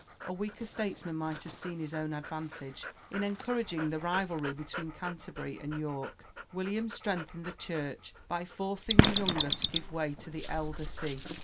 A weaker statesman might have seen his own advantage in encouraging the rivalry between Canterbury and York; William strengthened the Church by forcing the younger to give way to the elder see.